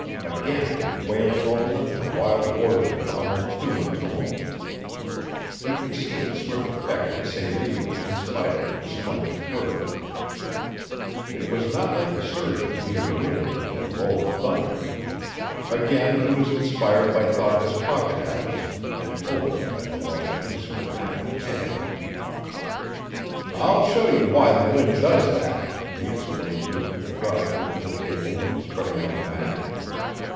Again it was wailing over them in a wild orgy of almost human tumult. He could see its swift effect on Celie in spite of her splendid courage. It was not like the surge of mere wind or the roll of thunder. Again he was inspired by thought of his pocket atlas, and opened it at the large insert map of Canada. "I'll show you why the wind does that," he explained to her, drawing her to the table and spreading out the map.